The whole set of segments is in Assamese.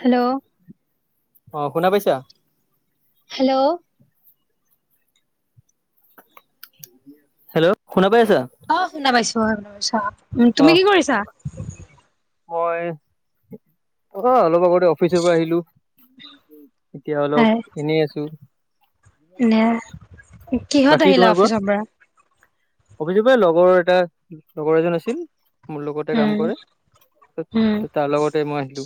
হেল্ল' অ', শুনা পাইছা? হেল্ল' হেল্ল' শুনা পাই আছা? অহ, শুনা পাইছোঁ হয় শুনা পাইছোঁ অ', উম, অ তুমি কি কৰিছা? মই অ', অলপ আগতে অফিচৰ পৰা আহিলোঁ। এতিয়া হয় অলপ এনেই আছোঁ। নে কিহঁত আহিলা অফিচৰ পৰা? অভিযোগে লগৰ এটা লগৰ এজন আছিল, মোৰ লগতে কাম উম কৰে। উম তাৰ লগতে মই আহিলো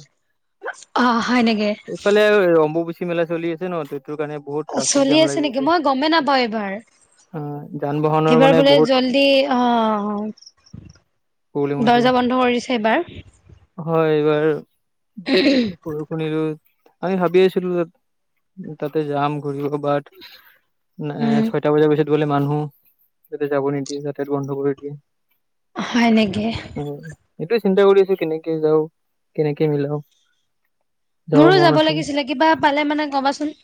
অ হয় নেকি এইফালে আৰু অম্বুবাচী মেলা চলি আছে ন সেইটোৰ কাৰণে বহুত ট্ৰাফিক চলি জাম আছে লাগি নেকি গৈছে। মই গমেই নাপাওঁ এইবাৰ অ যান বাহনৰ এইবাৰ মানে বোলে বহুত। জল্দি অ প্ৰব্লেম হৈছে দৰ্জা বন্ধ কৰি দিছে এইবাৰ হয় এইবাৰ। সৰু শুনিলোঁ। আমি ভাবি আছিলোঁ তাত তাতে যাম ঘূৰিব ব উম ছয়টা বজাৰ পিছত। গলে মানুহ যাতে যাব নিদিয়ে যাতোত গন্ধ কৰি দিয়ে। হয় এনেকে। উম, এইটোয়ে চিন্তা কৰি আছোঁ কেনেকে যাওঁ, কেনেকে মিলাও। মোৰো মন যাব আছে লাগিছিলে কিবা পালে মানে কবাচোন।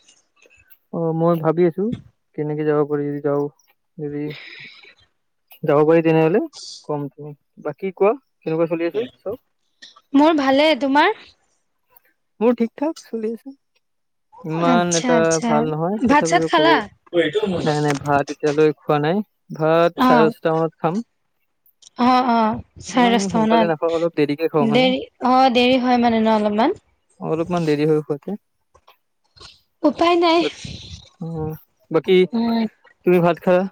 অ', মই ভাবি আছোঁ, কেনেকে যাব পাৰি যদি যাওঁ। হেৰি যাব পাৰি তেনেহ'লে কম দ বাকী কোৱা? কেনেকুৱা চলি আছে চব? মোৰ ভালে তোমাৰ মোৰ ঠিক ঠাক চলি আছে। ইমান আচ্ছা এটা আচ্ছা ভাল নহয় ভাত চাত তথাপি ক'ব। খালা নাই নাই ভাত এতিয়ালৈ খোৱা নাই। ভাত অ চাৰে দশটা মানত খাম। অ', অ', চাৰে ইমান দশটা সোনকালে নাখাওঁ মানত, অলপ দেৰিকে খাওঁ মানে দেৰি অ', দেৰি হয় মানে ন' [inaudible] মান অলপমান দেৰি হয় শুতে। উপায় নাই উম, বাকী উম তুমি ভাত খালা?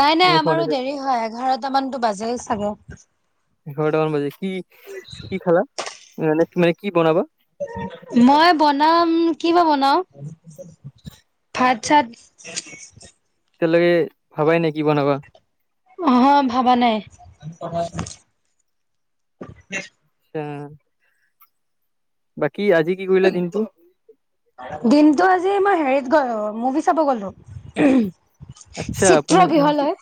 নাই নাই তুমি খোৱা আমাৰো চাগে দেৰি হয়, এঘাৰটা মানতো বাজেই চাগে। এঘাৰটামান বাজি কি কি খালা? নেনে তুমে কি বনাবা? মই বনাম কি বা বনাও ভাত চাত। এতিয়ালৈকে ভাবাই নাই কি বনাবা? অহ, ভাবা নাই। [unintelligible] কি আজি কি কৰিলে দিনটো? দিনটো আজি মই হেৰিত গ'লো মুভি চাব গ'লো। আচ্ছা চিত্ৰ আপনি গৃহলৈ [unintelligible]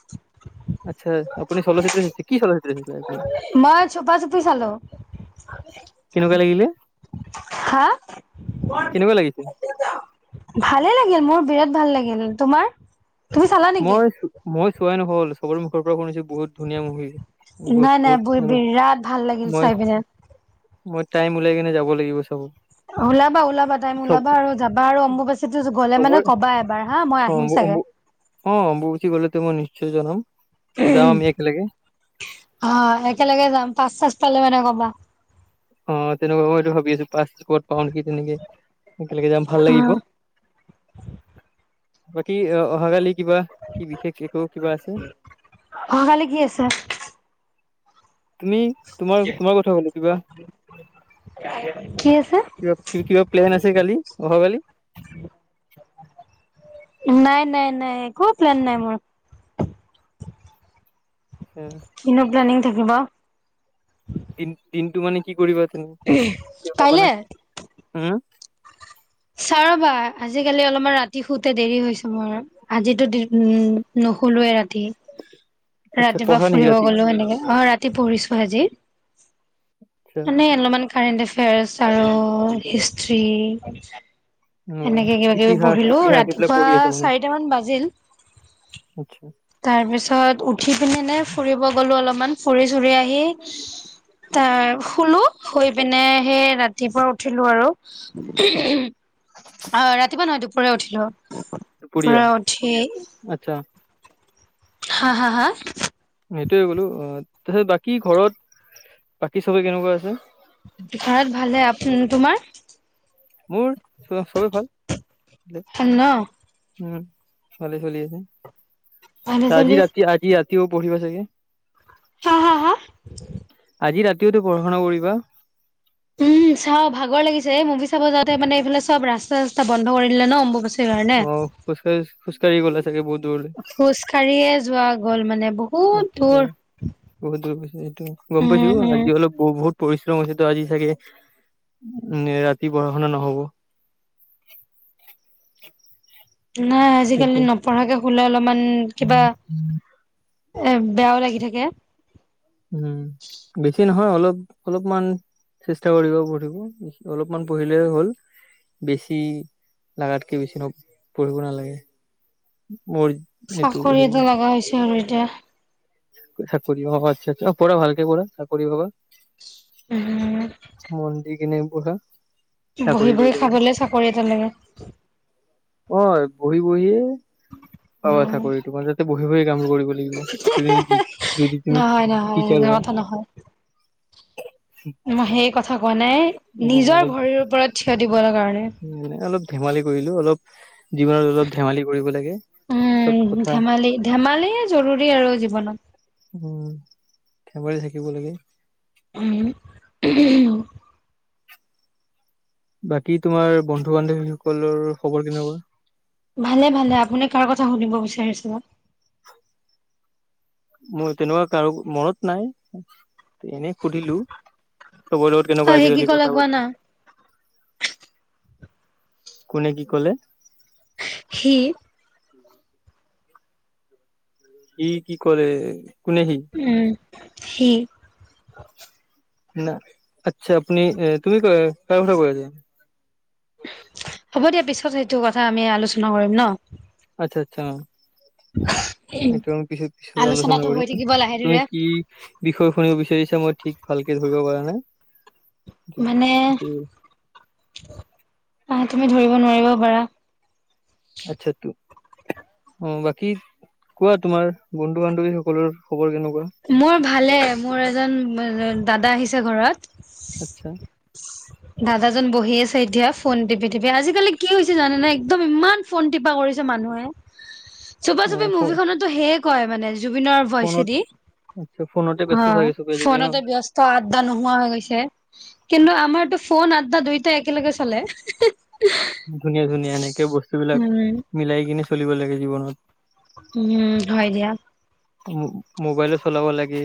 আচ্ছা আপুনি চলচিত্ৰ খিকি [inaudible] মই চোপা চুপি চালোঁ। কেনেকুৱা লাগিলে? হা? কেনেকুৱা লাগিছে ভালে লাগিল, মোৰ বিৰাট ভাল লাগিল, তোমাৰ? তুমি চালা নেকি মই চো-মই চোৱাই নহ'ল, চবৰে মুখৰ পৰা শুনিছোঁ বহুত ধুনীয়া মুভি। বহুত নাই নাই বহুত বৈ বিৰাট ভাল লাগিল মই চাই পিনে। মই টাইম ওলাই কিনে যাব লাগিব চব। ওলাবা ওলাবা টাইম ওলাবা আৰু যাবা আৰু অম্ববাচিটো গ'লে মানে চবৰে কবা এবাৰ হা। মই অ', আহিম চাগে। অম্ব-অম্ব অ', অম্বুবাচীটো গ'লেটো মই নিশ্চয় জনাম। যাম আমি একেলগে অ', একেলগে যাম পাঁচ পালে মানে কবা। অ', তেনেকুৱা মইটো ভাবি আছোঁ পাছপোৰ্ট পাওঁ নেকি তেনেকে। একেলগে যাম ভাল লাগিব। উম বাকী অ, অহা কিবা কি বিশেষ একো কিবা আছে? অহাকালি কি আছে? তুমি তোমাৰ তোমাৰ কথা হ'লোঁ কিবা। কি আছে? কিবা কিবা প্লেন আছে কালি অহা কালি [unintelligible] নাই নাই নাই একো প্লেন নাই মোৰ। হিনোগ্লবিন থাকিব দিন দিনটো মানে কি কৰিবা তুমি ক পাব কাইলে নে হম চাৰবা আজিকালি অলপমান ৰাতি শুতে দেৰি গৈছে মোৰ, আজিটো [inaudible] শুলোৱে ৰাতি। আচ্ছা ৰাতিপুৱা পঢ়া নেকি ফুৰিব ৰাতি গ'লো এনেকে। অ', ৰাতি পঢ়িছোঁ আজি। আচ্ছা মানে অলপমান কাৰেণ্ট এফেয়াৰ্চ আৰু হিষ্ট্ৰী। উ, এনেকে কিবা কিবি ইতিহাস পঢ়িলো ইতিহাস এইবিলাক ৰাতিপুৱা পঢ়ি আছে মানে। চাৰিটা মান বাজিল আতছা। তাৰ পিছত উঠি পিনে নে ফুৰিব গলো অলপমান ফুৰি চুৰি আহি। ত শুলো শুই পিনে সেই ৰাতিপুৱা উঠিলো আৰু। আহ ৰাতিপুৱা নহয় দুপৰীয়া উঠিলো আৰু দুপৰীয়া দুপৰা উঠি আচ্ছা হা হা হা? সেইটোয়ে গলো অ তাৰপিছত বাকী ঘৰত বাকী চবে কেনেকুৱা আছে। ঘৰত ভালে আপ তোমাৰ? মোৰ সবেই ভাল। ভাল ন উম ভালে চলি আছে ভালে চলি আজি ৰাতি আজি ৰা তিও পঢ়িবা চাগে? হা হা হা? আজি ৰাতিওতো পঢ়া শুনা কৰিবা? উম চাওঁ ভাগৰ লাগিছে মুভি চাব যাওঁতে মানে এইফালে চব ৰাস্তা চাস্তা বন্ধ কৰি দিলে ন অম্বাচ ণে অ খোজকাঢ়ি খোজকাঢ়ি গ'লা চাগে বহুত দূৰলৈ খোজকাাঢ়িয়ে যোৱা গ'ল মানে বহুত আচ্ছা দূৰ বহুত দূৰ পৈছে সেইটো গম উম পাইছো উম আজি অলপ বহুত বহুত পৰিশ্ৰম হৈছেতো আজি চাগে উম ৰাতি পঢ়া শুনা নহ'ব। [inaudible] নাই আজিকালি সেইটোৱে নপঢ়াকে খোলে অলপমান কিবা এ বেয়াও লাগি থাকে। উম বেছি নহয় অলপ অলপমান চেষ্টা কৰিব পঢ়িব অলপমান পঢ়িলে হ'ল। বেছি লগাত কে বেছিন পঢ়িব নালাগে মোৰ এইটো চাকৰি হেৰি এটা লগা হৈছে আৰু এতিয়া চাকৰি অ আচা আচা অ পঢ়া ভালকে পঢ়া চাকৰি পাবা উম মন্দি কিনে পঢ়া বহি চাকৰি পাই বহি যাবা খাবলে চাকৰি এটা লাগে অ বহি বহিয়ে পাবা উম চাকৰি টো তোমাৰ যাতে বহি বহি মকৰিব লাগিবমি যদি তুমি নহয় নহয় এনে টিকাৰ হয় কথা নহয় মই সেই কথা কোৱা নাই নিজৰ অলপ ভৰিৰ ওপৰত থিয় দিবলৈ কাৰণে মানে অলপ ধেমালি কৰিলো অলপ জীৱনত অলপ ধেমালি কৰিব লাগে চব উম কথা ধেমালি ধেমালি য়ে জৰুৰী আৰু জীৱনত উম ধেমাৰি থাকিব লাগে উ বাকী তোমাৰ বন্ধু বান্ধৱীসকলৰ খবৰ কেনেকুৱা ভালে ভালে আপুনি কাৰ কথা সুধিব বিচাৰিছে বা মোৰ তেনেকুৱা কাৰো মনত নাই এনেই সুধিলো চবৰে লগত অ কেনেকুৱা সি কি আজিকালি ক'লে কথা কোৱা না পাতো [unintelligible] কোনে কি ক'লে? সি সি কি কৰে? উম সেই ন আচ্ছা আপুনি তুমি কাৰ কথা কৈ হ'ব দিয়া পিছত সেইটো কথা আমি আলোচনা কৰিম ন'। আচ্ছা আচ্ছা হয় [unintelligible] এইটো আমি পিছত পিছত আলোচনা কৰিম থাকিব লাহে তুমি ধীৰে কি বিষয় শুনিব বিচাৰিছ মই ঠিক ভালকে ধৰিব পৰাৰা নাই মানে সেইটো পাত তুমি ধৰিব নোৱাৰিব পাৰা। আচ্ছা তো অ', বাকী কোৱা তোমাৰ বন্ধু বান্ধৱীসকলৰ খবৰ কেনেকুৱা? মোৰ ভালে মোৰ এজন দাদা আহিছে ঘৰত। আচ্ছা দাদাজন বহি আছে এতিয়া ফোন টিপি টিপি আজিকালি কি হৈছে জানে নাই একদম ইমান ফোন টিপা কৰি মানুহে চুপা অ চুপি ফ মুভি খনতো সেয়ে কয় মানে। জুবিনৰ ফোনত ভইচেদি আচ্ছা ফোনতে ব্যস্ত অ', চাগে চবে আজিকালি ন? ফোনতে ব্যস্ত আড্ডা নোহোৱা হৈ গৈছে, কিন্তু আমাৰতো ফোন আড্ডা দুইটাই একেলগে চলে। ধুনীয়া ধুনীয়া এনেকে বস্তুবিলাক উম মিলাই কিনে চলিব লাগে জীৱনত। উম হয় দিয়া। মোবাইলো চলাব লাগে,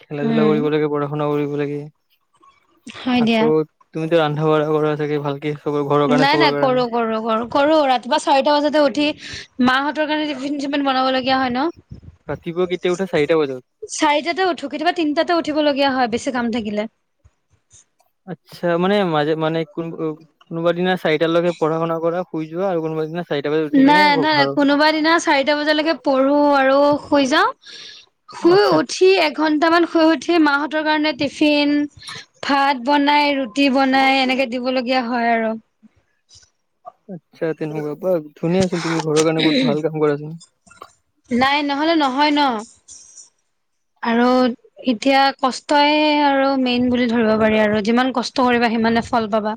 খেলা ধূলা উম কৰিব লাগে, পঢ়া শুনা কৰিব লাগে হয় দিয়া। আকৌ তুমিতো ৰন্ধা বঢ়া কৰা চাগে ভালকে চবৰ ঘৰৰ কাৰণে নাই চবৰ নাই কাৰণে কৰো কৰো কৰো, কৰো ৰাতিপুৱা চাৰিটা বজাতে উঠি মাহঁতৰ কাৰণে টিফিন চিফিন বনাব লগীয়া হয় ৰাতিপুৱা কেতিয়া উঠা চাৰিটা বজাত? ন'। চাৰিটাতে উঠো কেতিয়াবা, তিনটাতে উঠিবলগীয়া হয় বেছি কাম থাকিলে। আচ্ছা মানে, মাজে মানে কোন কোনোবাদ দিনা চাৰিটাৰ লকে পঢ়া শুনা কৰা শুই যোৱা আৰু কোনোবা দিনা চাৰিটা বজাত উঠি কিনে নাই ঘ- নাই নাই ঘৰৰ কোনোবা দিনা চাৰিটা বজালৈকে পঢ়ো আৰু শুই যাওঁ শুই আচ্ছা উঠি এঘন্টামান শুই উঠি মাহঁতৰ কাৰণে টিফিন ভাত বনাই ৰুটি বনাই এনেকে দিবলগীয়া হয় আৰু। চ না [unintelligible] ধুনীয়াছোন তুমি ঘৰৰ কাৰণে বহুত ভাল কাম কৰাচোন নাই নহলে নহয় [inaudible] আৰু এতিয়া কষ্টই আৰু মেইন বুলি ধৰিব পাৰি আৰু যিমান কষ্ট কৰিবা সিমানে ফল পাবা।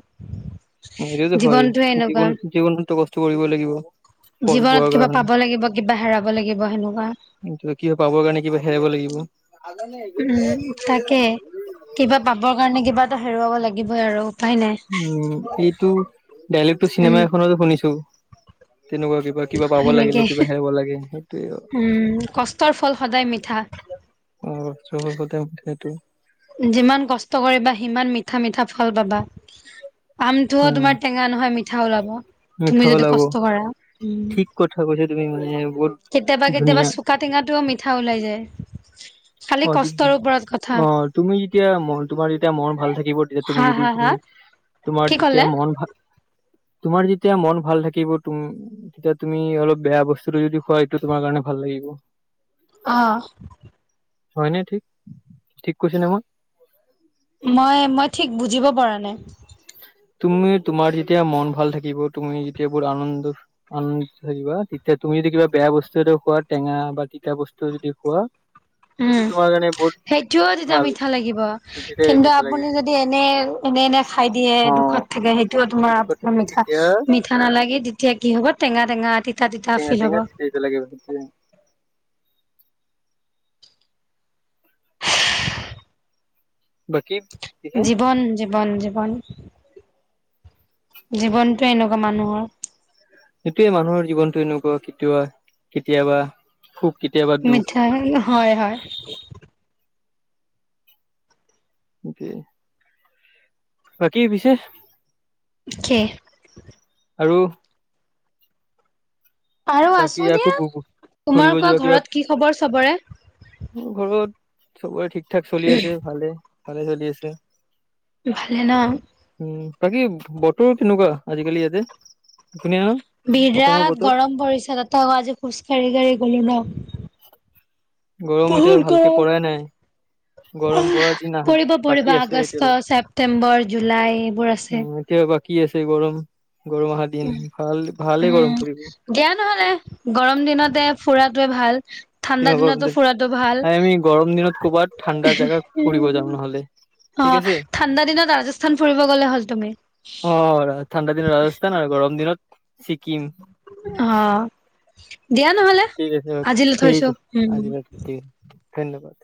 সেইটোতো হয়, জীৱনটোৱে এনেকুৱা জীৱন জীৱনততো কষ্ট কৰিবই লাগিব। ফল পোৱাৰ জীৱনত কিবা কাৰণে পাব লাগিব কিবা হেৰাব লাগিব সেনেকুৱা। কিন্ত কি হয় পাবৰ কাৰণে কিবা হেৰাব লাগিব। উম তাকে কিবা পাবৰ কাৰণে কিবা এটা হেৰুৱাব লাগিবই আৰু। উপায় নাই উম এইটো ডাইলেক্টো চিনেমা উম এখনত শুনিছোঁ। তেনেকুৱা কিবা কিবা পাব সেনেকে লাগিলে কিবা হেৰাব লাগে অটো উম কষ্টৰ ফল সদায় মিঠা [unintelligible] যিমান কষ্ট কৰিবা সিমান মিঠা মিঠা ফল পাবা। আমটোও উম তোমাৰ টেঙা নহয় মিঠা ওলাব। তুমি মিঠা যদি ওলাব কষ্ট কৰা উম ঠিক কথা কৈছা তুমি মানে ব কেতিয়াবা কেতিয়াবা চোকা টেঙাটোও মিঠা ওলাই যায়। খালি অ দি- কষ্টৰ দি- ওপৰত কথা। অ তুমি যেতিয়া ম তোমাৰ যেতিয়া মন ভাল থাকিব তেতিয়া তুমি হা যদি হা তুমি হা তোমাৰ কি যেতিয়া ক'লে মন ভাল [inaudible] তোমাৰ যেতিয়া মন ভাল থাকিব তুম তেতিয়া তুমি অলপ বেয়া বস্তুটো যদি খোৱা এইটো তোমাৰ কাৰণে ভাল লাগিব হ অ হয়নে ঠিক ঠিক কৈছে ন মই মই মই ঠিক বুজিব পৰা নাই। তুমি তোমাৰ যেতিয়া মন ভাল থাকিব তুমি যেতিয়া বৰ আনন্দ আনন্দ থাকিবা তেতিয়া তুমি যদি কিবা বেয়া বস্তু খোৱা টেঙা বা তিতা বস্তু যদি খোৱা উম এইটো তোমাৰ কাৰণে বহুত সেইটোও তেতিয়া ভাল মিঠা লাগিব, যেতিয়া কিন্তু মিঠা আপুনি লাগিব যদি এনে এনে এনে খাই দিয়ে অ দুখত থাকে সেইটোও তোমাৰ সেইটো কথা। আপোনাৰ মিঠা তেতিয়া মিঠা নালাগি তেতিয়া কি হ'ব টেঙা টেঙা তিতা টেঙা ফিল হ'ব টেঙা দিই যে লাগিব বাকী জীৱন যে জীৱন জীৱন জীৱনটো এনেকুৱা মানুহৰ। সেইটোয়ে মানুহৰ জীৱনটো এনেকুৱা কেতিয়াবা কেতিয়াবা সুখ কেতিয়াবা দুখ মিঠাই হয়--হয় [unintelligible] বাকী পিছে কে আৰু আৰু বাকী আছো দিয়া, আকৌ তোমাৰ ঘূৰিব কোৱা যোৱা কিবা ঘৰত কি খবৰ চবৰে? ঘৰত চবৰে ঠিক ঠাক চলি আছে ভালে ভালে চলি আছে। ভালে ন? উ বাকী বতৰ কেনেকুৱা আজিকালি ইয়াতে? ধুনীয়া ন অসমৰ বিৰাট বতৰ গৰম পৰিছে তাতে আক আজি খোজকাাঢ়ি গাঢ়ি গলো ন। গৰম এতিয়া বহুত ভালকে গৰম পৰাই নাই। গৰম পৰা না আহ পৰিব পৰিব বাকী আছে আগষ্ট, এতিয়ালৈ ছেপ্তেম্বৰ, জুলাই এইবোৰ আছে। এতিয়া বাকী, কি আছে গৰম। গৰম অহা দিন উম, ভাল ভালে গৰম দিয়া নহলে গৰম দিনতে ফুৰা তোয়ে ভাল। ঠাণ্ডা পৰিব দিনতো ফোৰাটো ভাল। আৰে আমি গৰম দিনত ক'বাত ঠাণ্ডা জেগা ফুৰিব যাম নহ'লে ঠিক অ' আছে। ঠাণ্ডা দিনত ৰাজস্থান ফুৰিব গলে হ'ল তুমি। অ' ঠাণ্ডা দিনত ৰাজস্থান আৰু গৰম দিনত ছিকিম অ' দিয়া নহ'লে। ঠিক আছে, আজিলৈ ঠিক থৈছো আছে উম। আজিলৈ ঠিক আছে। ধন্যবাদ।